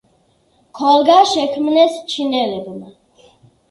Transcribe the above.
ქოლგა შექმნეს ჩინელებმა.